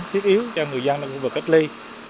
thiết yếu cho người dân ở khu vực cách ly